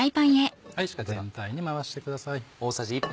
全体に回してください。